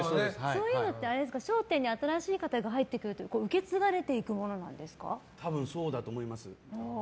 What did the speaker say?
そういうのって「笑点」に新しい方が入ってくると多分そうだと思います。